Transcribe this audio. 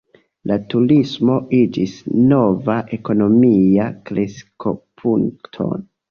La turismo iĝis nova ekonomia kreskopunkto.